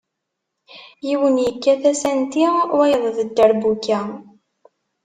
Yiwen yekkat asanti wayeḍ d dderbuka.